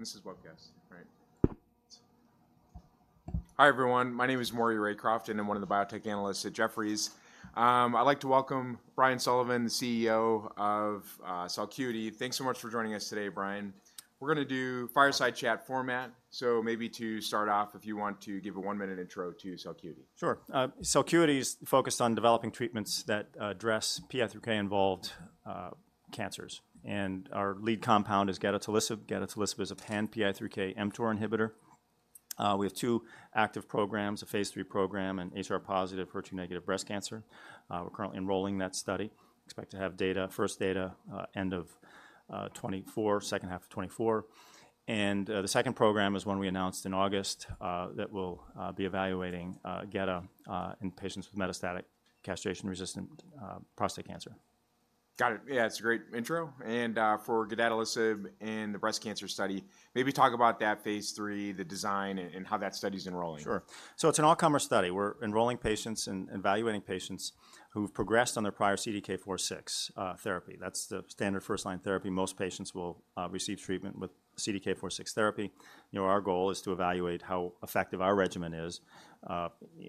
This is webcast, right? Hi, everyone. My name is Maury Raycroft, and I'm one of the biotech analysts at Jefferies. I'd like to welcome Brian Sullivan, the CEO of, Celcuity. Thanks so much for joining us today, Brian. We're gonna do fireside chat format, so maybe to start off, if you want to give a one-minute intro to Celcuity. Sure. Celcuity is focused on developing treatments that address PI3K-involved cancers, and our lead compound is gedatolisib. Gedatolisib is a pan-PI3K/mTOR inhibitor. We have two active programs: a phase III program in HR-positive, HER2-negative breast cancer. We're currently enrolling that study. Expect to have data, first data, end of 2024, second half of 2024. The second program is one we announced in August that we'll be evaluating gedatolisib in patients with metastatic castration-resistant prostate cancer. Got it. Yeah, it's a great intro, and for gedatolisib in the breast cancer study, maybe talk about that phase III, the design, and, and how that study's enrolling. Sure. So it's an all-comer study. We're enrolling patients and evaluating patients who've progressed on their prior CDK4/6 therapy. That's the standard first-line therapy. Most patients will receive treatment with CDK4/6 therapy. You know, our goal is to evaluate how effective our regimen is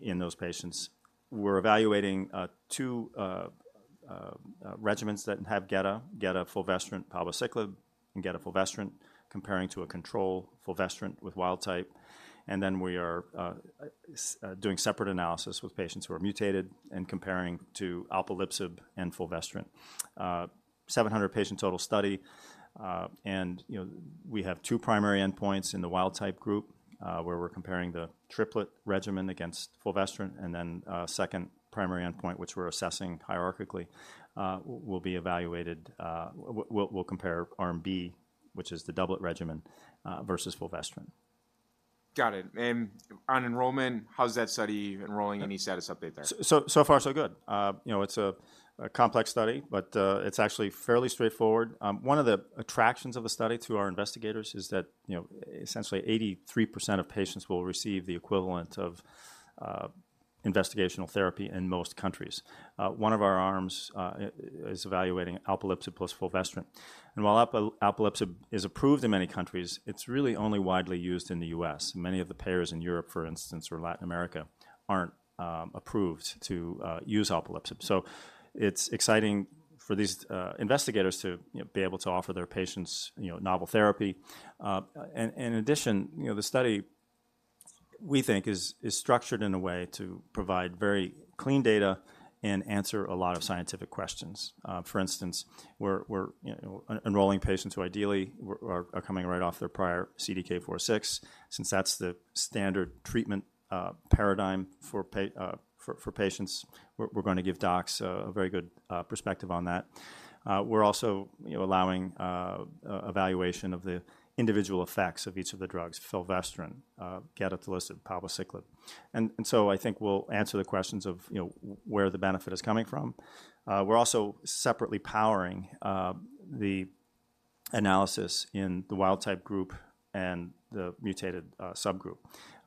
in those patients. We're evaluating two regimens that have gedatolisib fulvestrant palbociclib and gedatolisib fulvestrant, comparing to a control fulvestrant with wild type. And then, we are doing separate analysis with patients who are mutated and comparing to alpelisib and fulvestrant. 700-patient total study, and, you know, we have two primary endpoints in the wild-type group, where we're comparing the triplet regimen against fulvestrant, and then, second primary endpoint, which we're assessing hierarchically, will be evaluated. We'll compare Arm B, which is the doublet regimen, versus fulvestrant. Got it. And on enrollment, how's that study enrolling? Any status update there? So far, so good. You know, it's a complex study, but it's actually fairly straightforward. One of the attractions of the study to our investigators is that, you know, essentially, 83% of patients will receive the equivalent of investigational therapy in most countries. One of our arms is evaluating alpelisib plus fulvestrant, and while alpelisib is approved in many countries, it's really only widely used in the US. Many of the payers in Europe, for instance, or Latin America, aren't approved to use alpelisib. So it's exciting for these investigators to, you know, be able to offer their patients, you know, novel therapy. And in addition, you know, the study, we think, is structured in a way to provide very clean data and answer a lot of scientific questions. For instance, we're enrolling patients who ideally are coming right off their prior CDK4/6, since that's the standard treatment paradigm for patients. We're going to give docs a very good perspective on that. We're also, you know, allowing evaluation of the individual effects of each of the drugs, fulvestrant, gedatolisib, palbociclib. And so I think we'll answer the questions of, you know, where the benefit is coming from. We're also separately powering the analysis in the wild-type group and the mutated subgroup.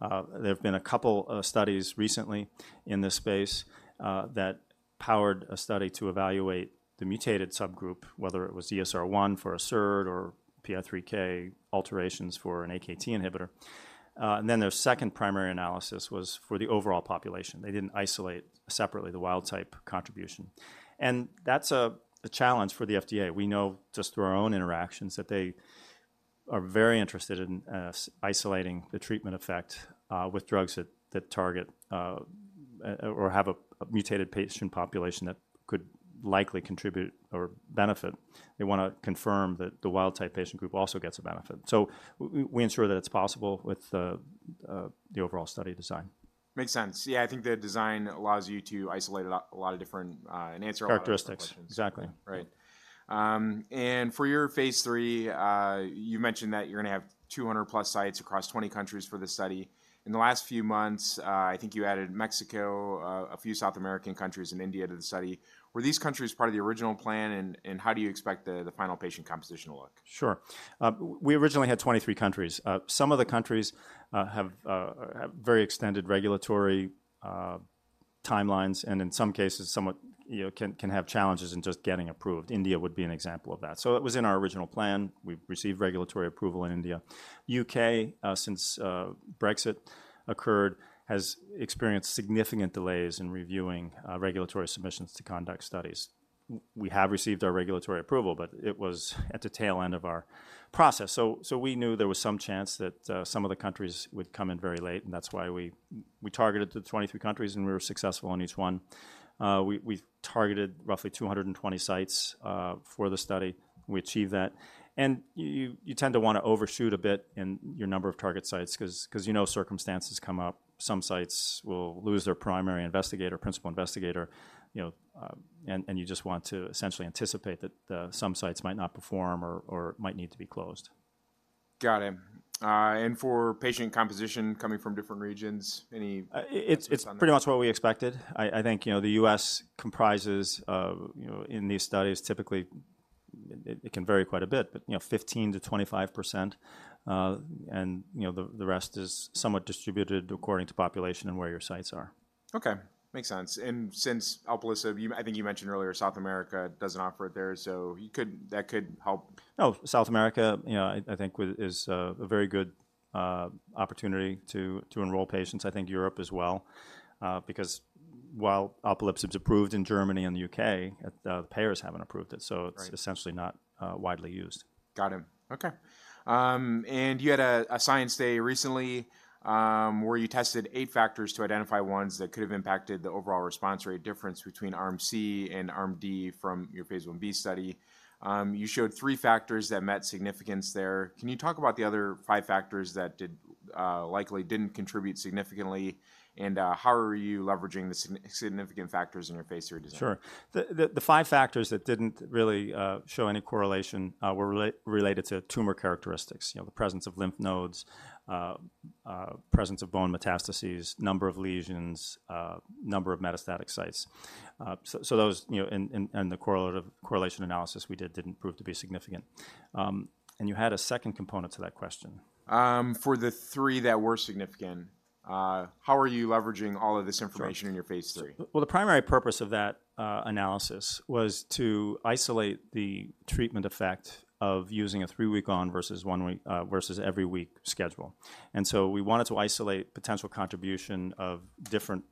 There have been a couple of studies recently in this space that powered a study to evaluate the mutated subgroup, whether it was ESR1 for a SERD or PI3K alterations for an AKT inhibitor. And then their second primary analysis was for the overall population. They didn't isolate separately the wild-type contribution, and that's a challenge for the FDA. We know just through our own interactions, that they are very interested in isolating the treatment effect with drugs that target or have a mutated patient population that could likely contribute or benefit. They want to confirm that the wild-type patient group also gets a benefit. So we ensure that it's possible with the overall study design. Makes sense. Yeah, I think the design allows you to isolate a lot of different, and answer a lot- Characteristics... questions. Exactly. Right. And for your phase III, you mentioned that you're gonna have 200-plus sites across 20 countries for this study. In the last few months, I think you added Mexico, a few South American countries, and India to the study. Were these countries part of the original plan, and, and how do you expect the, the final patient composition to look? Sure. We originally had 23 countries. Some of the countries have very extended regulatory timelines, and in some cases, somewhat, you know, can have challenges in just getting approved. India would be an example of that. So it was in our original plan. We've received regulatory approval in India. U.K., since Brexit occurred, has experienced significant delays in reviewing regulatory submissions to conduct studies. We have received our regulatory approval, but it was at the tail end of our process. So we knew there was some chance that some of the countries would come in very late, and that's why we targeted the 23 countries, and we were successful in each one. We, we've targeted roughly 220 sites for the study. We achieved that, and you tend to want to overshoot a bit in your number of target sites 'cause you know circumstances come up. Some sites will lose their primary investigator, principal investigator, you know, and you just want to essentially anticipate that some sites might not perform or might need to be closed. Got it. And for patient composition coming from different regions, any- It's pretty much what we expected. I think, you know, the U.S. comprises, you know, in these studies, typically, it can vary quite a bit, but, you know, 15%-25%, and, you know, the rest is somewhat distributed according to population and where your sites are.... Okay, makes sense. And since alpelisib, you, I think you mentioned earlier, South America doesn't offer it there, so you could-- that could help. No, South America, you know, I think is a very good opportunity to enroll patients. I think Europe as well, because while alpelisib is approved in Germany and the U.K., the payers haven't approved it, so- Right. -it's essentially not, widely used. Got it. Okay. And you had a Science Day recently, where you tested 8 factors to identify ones that could have impacted the overall response rate difference between Arm C and Arm D from your phase Ib study. You showed 3 factors that met significance there. Can you talk about the other 5 factors that did, likely didn't contribute significantly, and, how are you leveraging the significant factors in your phase III design? Sure. The five factors that didn't really show any correlation were related to tumor characteristics. You know, the presence of lymph nodes, presence of bone metastases, number of lesions, number of metastatic sites. So those, you know, in the correlation analysis we did, didn't prove to be significant. And you had a second component to that question. For the three that were significant, how are you leveraging all of this information? Sure. in your phase III? Well, the primary purpose of that analysis was to isolate the treatment effect of using a three-week-on versus one-week versus every-week schedule. And so we wanted to isolate potential contribution of different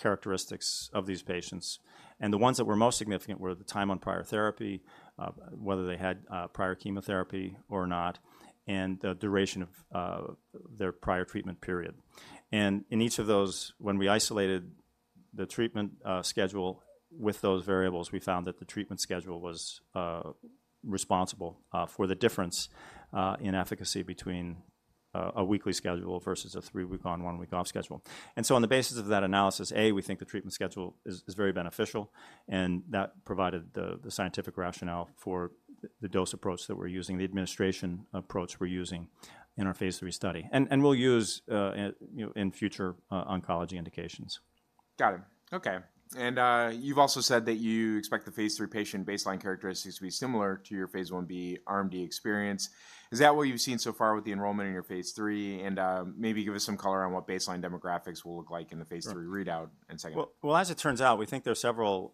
characteristics of these patients, and the ones that were most significant were the time on prior therapy, whether they had prior chemotherapy or not, and the duration of their prior treatment period. And in each of those, when we isolated the treatment schedule with those variables, we found that the treatment schedule was responsible for the difference in efficacy between a weekly schedule versus a three-week-on, one-week-off schedule. So on the basis of that analysis, A, we think the treatment schedule is very beneficial, and that provided the scientific rationale for the dose approach that we're using, the administration approach we're using in our phase III study, and we'll use, you know, in future oncology indications. Got it. Okay. And, you've also said that you expect the phase III patient baseline characteristics to be similar to your phase Ib Arm D experience. Is that what you've seen so far with the enrollment in your phase III? And, maybe give us some color on what baseline demographics will look like in the phase III- Sure Readout in a second. Well, as it turns out, we think there are several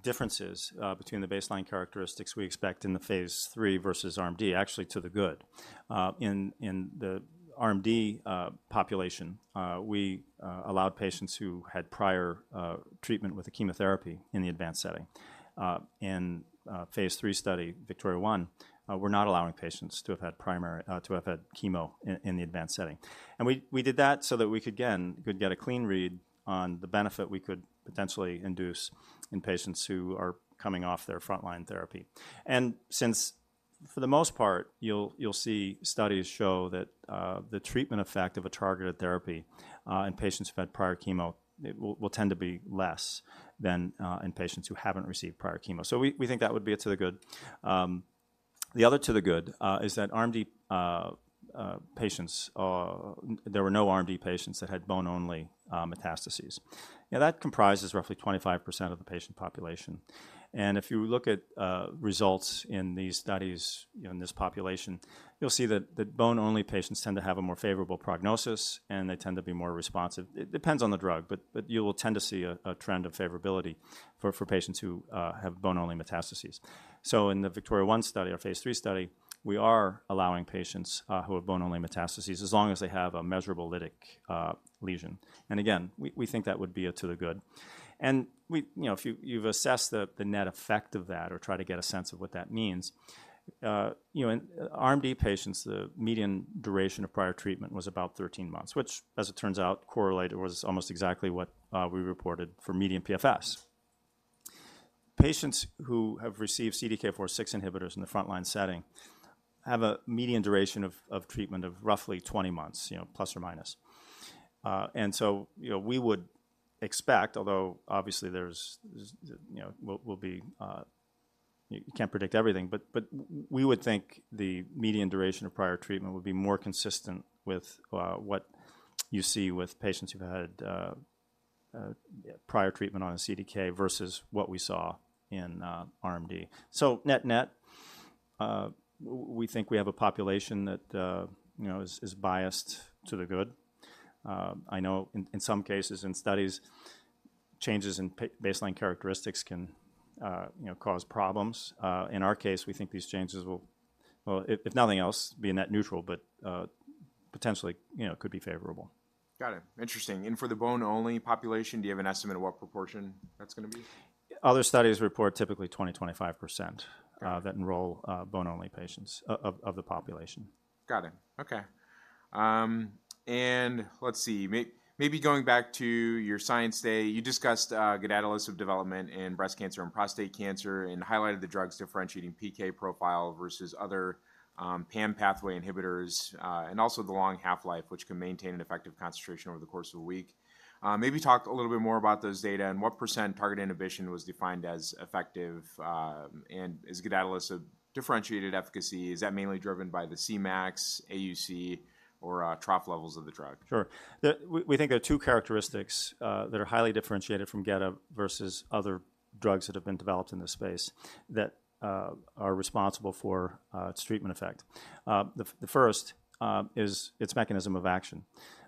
differences between the baseline characteristics we expect in the phase III versus Arm D, actually, to the good. In the Arm D population, we allowed patients who had prior treatment with a chemotherapy in the advanced setting. In the phase III study, VIKTORIA-1, we're not allowing patients to have had chemo in the advanced setting. And we did that so that we could get a clean read on the benefit we could potentially induce in patients who are coming off their frontline therapy. Since, for the most part, you'll see studies show that the treatment effect of a targeted therapy in patients who've had prior chemo, it will tend to be less than in patients who haven't received prior chemo. So we think that would be a to the good. The other to the good is that there were no Arm D patients that had bone-only metastases. Now, that comprises roughly 25% of the patient population. And if you look at results in these studies, in this population, you'll see that the bone-only patients tend to have a more favorable prognosis, and they tend to be more responsive. It depends on the drug, but you will tend to see a trend of favorability for patients who have bone-only metastases. So in the VIKTORIA-1 study, our phase III study, we are allowing patients who have bone-only metastases, as long as they have a measurable lytic lesion. And again, we think that would be a to the good. And we, you know, if you've assessed the net effect of that or try to get a sense of what that means, you know, in Arm D patients, the median duration of prior treatment was about 13 months, which, as it turns out, was almost exactly what we reported for median PFS. Patients who have received CDK4/6 inhibitors in the frontline setting have a median duration of treatment of roughly 20 months, you know, plus or minus. And so, you know, we would expect, although obviously there's, you know, we'll be... You can't predict everything, but we would think the median duration of prior treatment would be more consistent with what you see with patients who've had prior treatment on a CDK versus what we saw in Arm D. So net-net, we think we have a population that you know is biased to the good. I know in some cases in studies, changes in baseline characteristics can you know cause problems. In our case, we think these changes will, well, if nothing else, be a net neutral, but potentially you know could be favorable. Got it. Interesting. For the bone-only population, do you have an estimate of what proportion that's gonna be? Other studies report typically 20%-25% that enroll bone-only patients of the population. Got it. Okay. And let's see, maybe going back to your Science Day, you discussed gedatolisib development in breast cancer and prostate cancer and highlighted the drug's differentiating PK profile versus other PAM pathway inhibitors, and also the long half-life, which can maintain an effective concentration over the course of a week. Maybe talk a little bit more about those data and what % target inhibition was defined as effective, and is gedatolisib differentiated efficacy, is that mainly driven by the Cmax, AUC, or trough levels of the drug? Sure. We think there are two characteristics that are highly differentiated from geda versus other drugs that have been developed in this space that are responsible for its treatment effect. The first is its mechanism of action.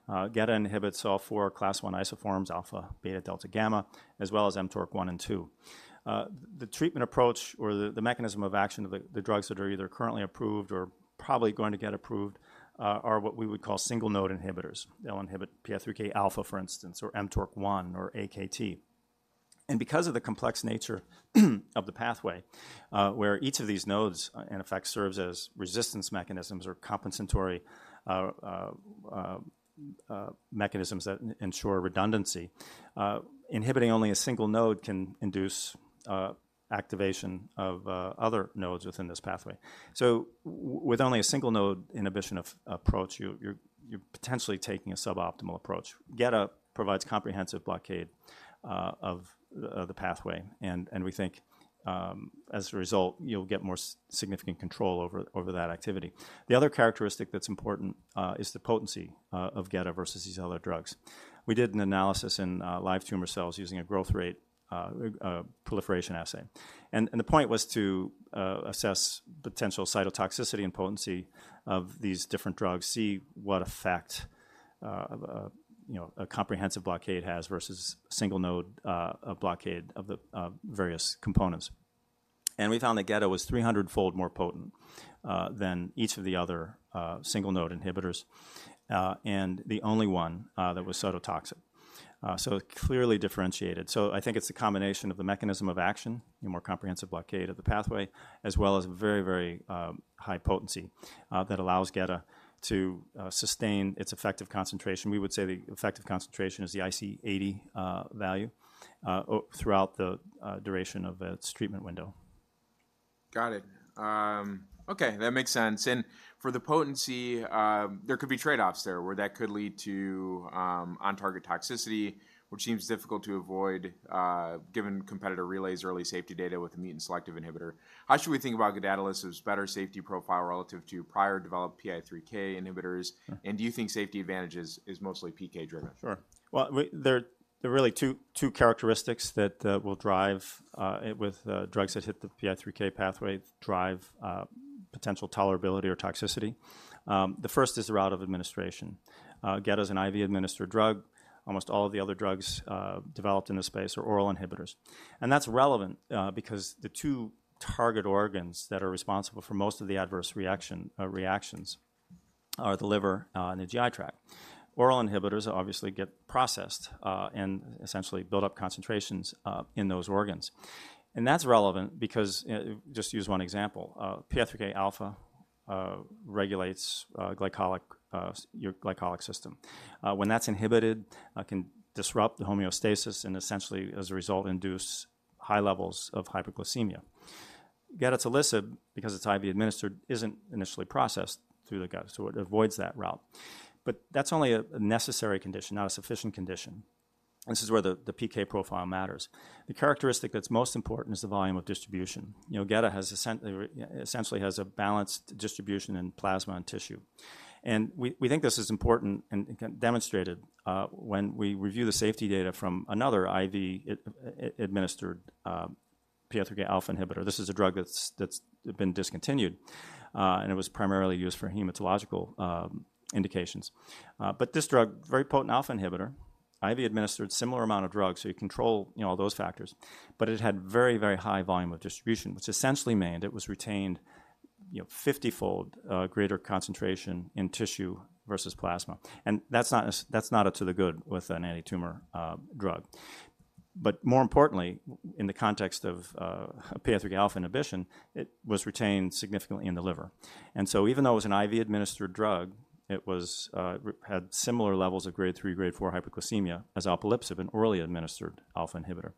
Geda inhibits all four Class I isoforms, alpha, beta, delta, gamma, as well as mTORC1 and mTORC2. The treatment approach or the mechanism of action of the drugs that are either currently approved or probably going to get approved are what we would call single node inhibitors. They'll inhibit PI3K alpha, for instance, or mTORC1 or AKT. Because of the complex nature of the pathway, where each of these nodes, in effect, serves as resistance mechanisms or compensatory mechanisms that ensure redundancy, inhibiting only a single node can induce activation of other nodes within this pathway. With only a single node inhibition of approach, you're potentially taking a suboptimal approach. Geda provides comprehensive blockade of the pathway, and we think, as a result, you'll get more significant control over that activity. The other characteristic that's important is the potency of geda versus these other drugs. We did an analysis in live tumor cells using a growth rate proliferation assay. And the point was to assess potential cytotoxicity and potency of these different drugs, see what effect of a, you know, a comprehensive blockade has versus single node, a blockade of the various components. And we found that geda was 300-fold more potent than each of the other single node inhibitors and the only one that was cytotoxic. So clearly differentiated. So I think it's a combination of the mechanism of action, a more comprehensive blockade of the pathway, as well as a very, very high potency that allows geda to sustain its effective concentration. We would say the effective concentration is the IC80 value throughout the duration of its treatment window. Got it. Okay, that makes sense. For the potency, there could be trade-offs there, where that could lead to on-target toxicity, which seems difficult to avoid, given competitors' early safety data with a mutant selective inhibitor. How should we think about gedatolisib's better safety profile relative to prior developed PI3K inhibitors? And do you think safety advantages is mostly PK-driven? Sure. Well, there are really two characteristics that will drive with drugs that hit the PI3K pathway, drive potential tolerability or toxicity. The first is the route of administration. Geda is an IV-administered drug. Almost all of the other drugs developed in the space are oral inhibitors. And that's relevant because the two target organs that are responsible for most of the adverse reactions are the liver and the GI tract. Oral inhibitors obviously get processed and essentially build up concentrations in those organs. And that's relevant because just use one example, PI3K alpha regulates the glycolytic system. When that's inhibited, can disrupt the homeostasis and essentially, as a result, induce high levels of hyperglycemia. Gedatolisib, because it's IV administered, isn't initially processed through the gut, so it avoids that route. But that's only a necessary condition, not a sufficient condition. This is where the PK profile matters. The characteristic that's most important is the volume of distribution. You know, Gedatolisib essentially has a balanced distribution in plasma and tissue. And we think this is important and can be demonstrated when we review the safety data from another IV administered PI3K alpha inhibitor. This is a drug that's been discontinued, and it was primarily used for hematological indications. But this drug, very potent alpha inhibitor, IV-administered, similar amount of drugs, so you control, you know, all those factors. But it had very, very high volume of distribution, which essentially meant it was retained, you know, 50-fold greater concentration in tissue versus plasma. And that's not all to the good with an anti-tumor drug. But more importantly, in the context of PI3K alpha inhibition, it was retained significantly in the liver. And so even though it was an IV-administered drug, it had similar levels of Grade 3, Grade 4 hyperglycemia as alpelisib, an orally administered alpha inhibitor.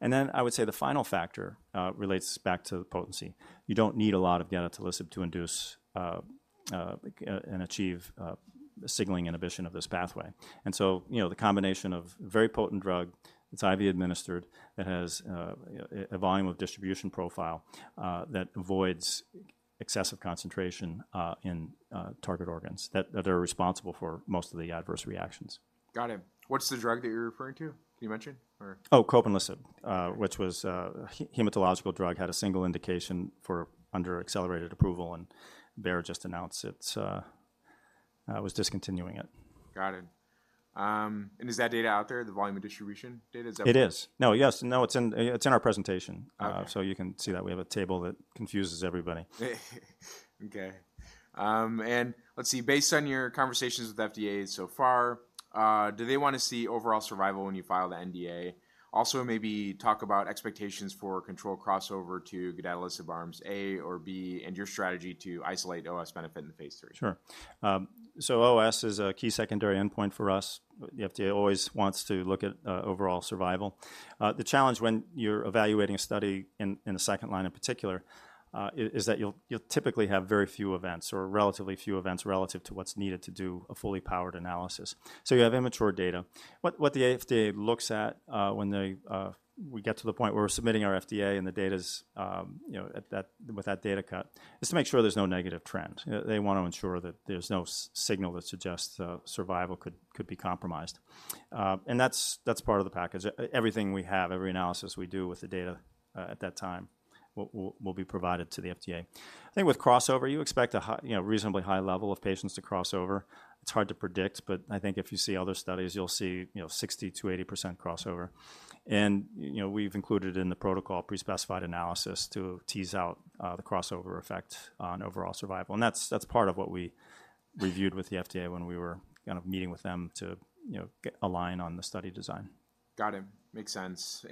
And then I would say the final factor relates back to the potency. You don't need a lot of gedatolisib to induce and achieve the signaling inhibition of this pathway. And so, you know, the combination of very potent drug, it's IV-administered, that has a volume of distribution profile that avoids excessive concentration in target organs that are responsible for most of the adverse reactions. Got it. What's the drug that you're referring to? You mentioned or- Oh, copanlisib, which was a hematological drug, had a single indication under accelerated approval, and Bayer just announced it was discontinuing it. Got it. And is that data out there, the volume of distribution data? Is that- It is. No, yes, no, it's in, it's in our presentation. Okay. So you can see that we have a table that confuses everybody. Okay. And let's see, based on your conversations with FDA so far, do they want to see overall survival when you file the NDA? Also, maybe talk about expectations for control crossover to gedatolisib Arms A or B, and your strategy to isolate OS benefit in phase III. Sure. So OS is a key secondary endpoint for us. The FDA always wants to look at overall survival. The challenge when you're evaluating a study in the second line, in particular, is that you'll typically have very few events or relatively few events relative to what's needed to do a fully powered analysis. So you have immature data. What the FDA looks at, when we get to the point where we're submitting our NDA and the data's, you know, at that, with that data cut, is to make sure there's no negative trend. They want to ensure that there's no signal that suggests survival could be compromised, and that's part of the package. Everything we have, every analysis we do with the data at that time, will be provided to the FDA. I think with crossover, you expect a high, you know, reasonably high level of patients to crossover. It's hard to predict, but I think if you see other studies, you'll see, you know, 60%-80% crossover. And, you know, we've included in the protocol pre-specified analysis to tease out the crossover effect on overall survival. And that's, that's part of what we reviewed with the FDA when we were kind of meeting with them to, you know, align on the study design. Got it. Makes sense.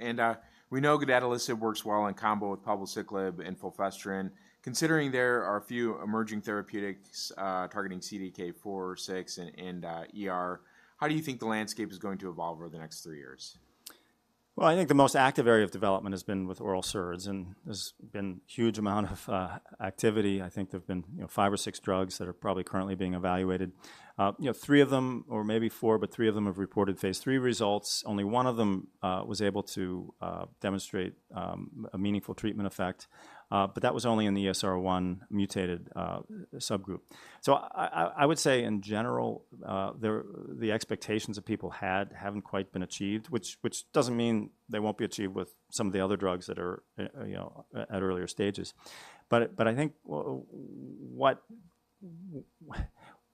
We know gedatolisib works well in combo with palbociclib and fulvestrant. Considering there are a few emerging therapeutics targeting CDK4/6 and ER, how do you think the landscape is going to evolve over the next three years? Well, I think the most active area of development has been with oral SERDs, and there's been huge amount of activity. I think there've been, you know, five or six drugs that are probably currently being evaluated. You know, three of them, or maybe four, but three of them have reported Phase III results. Only one of them was able to demonstrate a meaningful treatment effect, but that was only in the ESR1 mutated subgroup. So I would say in general, the expectations that people had haven't quite been achieved, which doesn't mean they won't be achieved with some of the other drugs that are, you know, at earlier stages. But I think what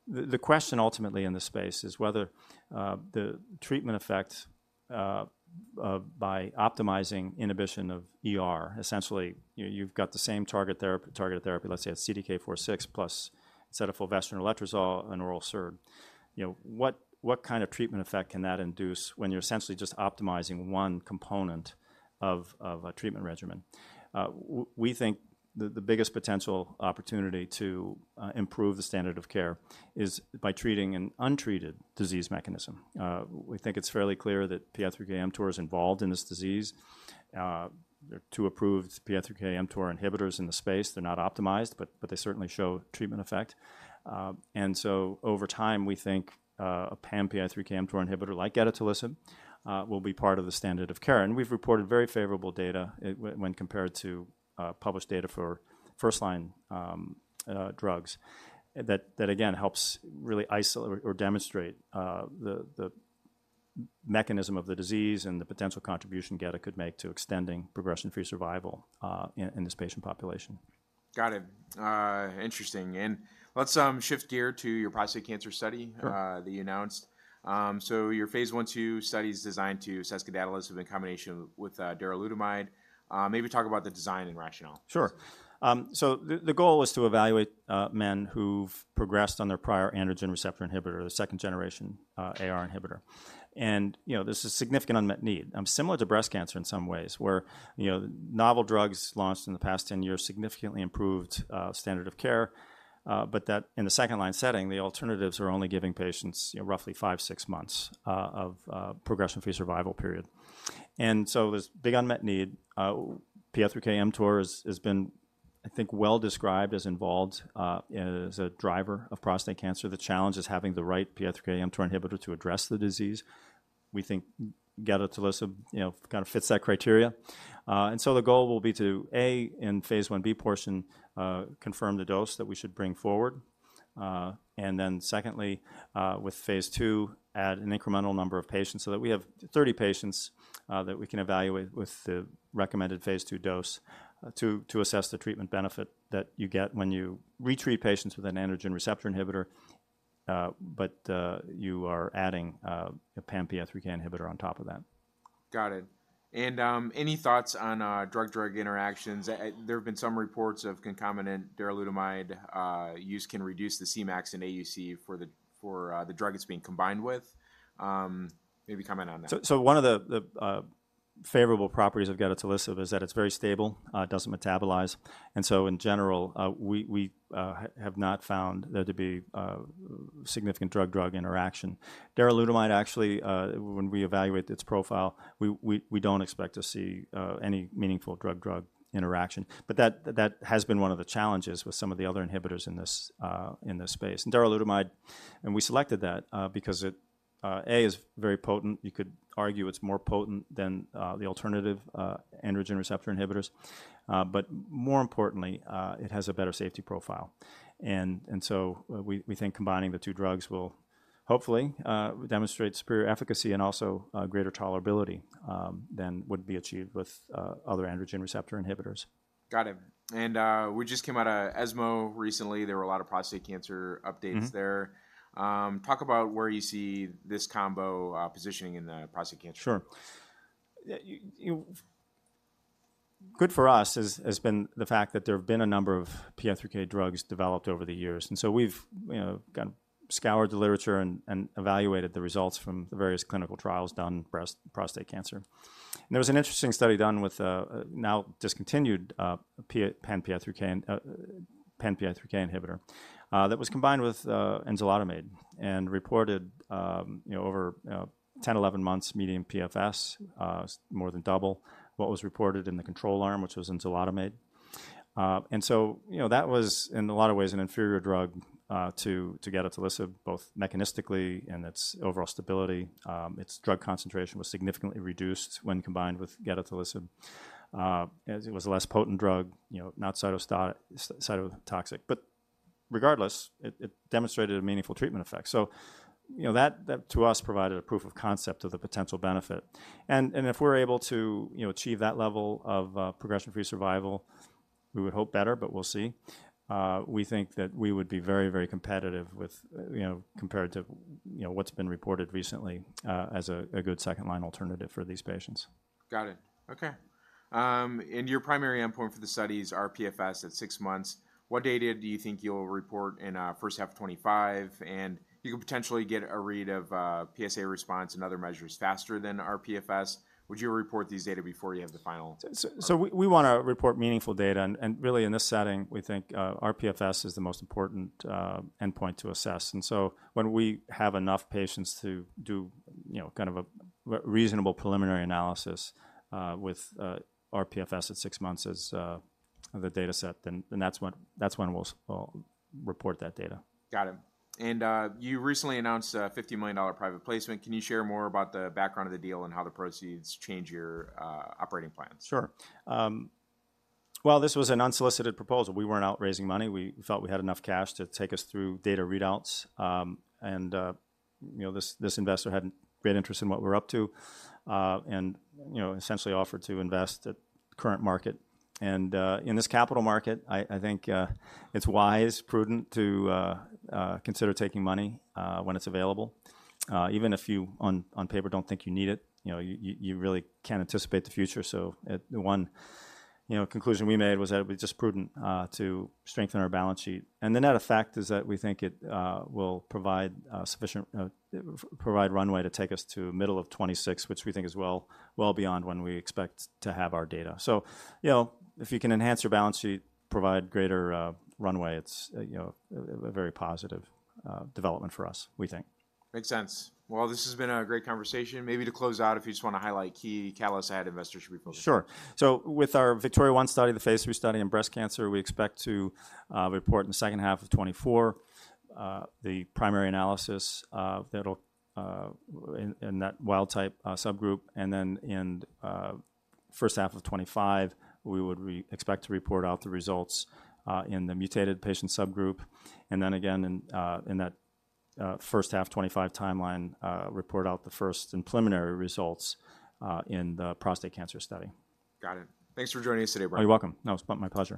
the question ultimately in this space is whether the treatment effect by optimizing inhibition of ER, essentially, you've got the same targeted therapy, let's say, a CDK4/6 plus set of fulvestrant or letrozole and oral SERD. You know, what kind of treatment effect can that induce when you're essentially just optimizing one component of a treatment regimen? We think the biggest potential opportunity to improve the standard of care is by treating an untreated disease mechanism. We think it's fairly clear that PI3K/mTOR is involved in this disease. There are two approved PI3K/mTOR inhibitors in the space. They're not optimized, but they certainly show treatment effect. And so over time, we think a pan-PI3K/mTOR inhibitor like gedatolisib will be part of the standard of care. We've reported very favorable data when compared to published data for first-line drugs, that again helps really isolate or demonstrate the mechanism of the disease and the potential contribution gedatolisib could make to extending progression-free survival in this patient population. Got it. Interesting. And let's shift gear to your prostate cancer study. Sure. that you announced. So your phase I/II study is designed to assess gedatolisib in combination with darolutamide. Maybe talk about the design and rationale. Sure. So the goal was to evaluate men who've progressed on their prior androgen receptor inhibitor, the second-generation AR inhibitor. And, you know, there's a significant unmet need, similar to breast cancer in some ways, where, you know, novel drugs launched in the past 10 years significantly improved standard of care, but that in the second-line setting, the alternatives are only giving patients, you know, roughly 5-6 months of progression-free survival period. And so there's big unmet need. PI3K/mTOR has been, I think, well-described as involved as a driver of prostate cancer. The challenge is having the right PI3K/mTOR inhibitor to address the disease. We think gedatolisib, you know, kind of fits that criteria. And so the goal will be to, A, in phase Ib portion, confirm the dose that we should bring forward. And then secondly, with phase II, add an incremental number of patients so that we have 30 patients that we can evaluate with the recommended phase II dose, to assess the treatment benefit that you get when you re-treat patients with an androgen receptor inhibitor, but you are adding a pan-PI3K inhibitor on top of that. Got it. And, any thoughts on drug-drug interactions? There have been some reports of concomitant darolutamide use can reduce the Cmax and AUC for the drug it's being combined with. Maybe comment on that. So one of the favorable properties of gedatolisib is that it's very stable, it doesn't metabolize. And so in general, we have not found there to be significant drug-drug interaction. Darolutamide, actually, when we evaluate its profile, we don't expect to see any meaningful drug-drug interaction. But that has been one of the challenges with some of the other inhibitors in this space. And darolutamide, we selected that because it is very potent. You could argue it's more potent than the alternative androgen receptor inhibitors. But more importantly, it has a better safety profile. And so we think combining the two drugs will hopefully demonstrate superior efficacy and also greater tolerability than would be achieved with other androgen receptor inhibitors. Got it. We just came out of ESMO recently. There were a lot of prostate cancer updates there. Talk about where you see this combo positioning in the prostate cancer? Sure. Good for us has been the fact that there have been a number of PI3K drugs developed over the years, and so we've, you know, kind of scoured the literature and evaluated the results from the various clinical trials done breast-- prostate cancer. There was an interesting study done with a now-discontinued pan-PI3K inhibitor that was combined with enzalutamide and reported, you know, over 10-11 months median PFS more than double what was reported in the control arm, which was enzalutamide. And so, you know, that was, in a lot of ways, an inferior drug to gedatolisib, both mechanistically and its overall stability. Its drug concentration was significantly reduced when combined with gedatolisib. As it was a less potent drug, you know, not cytotoxic, but-... Regardless, it demonstrated a meaningful treatment effect. So, you know, that to us provided a proof of concept of the potential benefit. And if we're able to, you know, achieve that level of progression-free survival, we would hope better, but we'll see. We think that we would be very, very competitive with, you know, compared to, you know, what's been reported recently, as a good second-line alternative for these patients. Got it. Okay. Your primary endpoint for the studies are PFS at six months. What data do you think you'll report in first half 2025, and you could potentially get a read of PSA response and other measures faster than rPFS? Would you report these data before you have the final? So we want to report meaningful data, and really in this setting, we think rPFS is the most important endpoint to assess. And so when we have enough patients to do, you know, kind of a reasonable preliminary analysis with rPFS at six months as the dataset, then that's when we'll report that data. Got it. And, you recently announced a $50 million private placement. Can you share more about the background of the deal and how the proceeds change your operating plans? Sure. Well, this was an unsolicited proposal. We weren't out raising money. We felt we had enough cash to take us through data readouts. You know, this investor had great interest in what we're up to, and, you know, essentially offered to invest at current market. And, in this capital market, I think it's wise, prudent to consider taking money when it's available, even if you, on paper, don't think you need it. You know, you really can't anticipate the future. So at the one, you know, conclusion we made was that it was just prudent to strengthen our balance sheet. The net effect is that we think it will provide sufficient runway to take us to middle of 2026, which we think is well, well beyond when we expect to have our data. You know, if you can enhance your balance sheet, provide greater runway, it's, you know, a very positive development for us, we think. Makes sense. Well, this has been a great conversation. Maybe to close out, if you just wanna highlight key catalysts investors should be focused on. Sure. So with our VIKTORIA-1 study, the phase III study in breast cancer, we expect to report in the second half of 2024 the primary analysis of that'll in that wild-type subgroup. And then in the first half of 2025, we expect to report out the results in the mutated patient subgroup, and then again, in that first half 2025 timeline, report out the first and preliminary results in the prostate cancer study. Got it. Thanks for joining us today, Brian. You're welcome. No, it's my pleasure.